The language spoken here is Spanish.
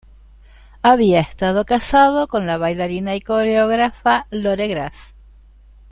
Había estado casado con la bailarina y coreógrafa Lore Grass.